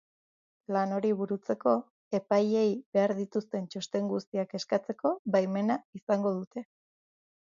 Lan hori burutzeko, epaileei behar dituzten txosten guztiak eskatzeko baimena izango dute.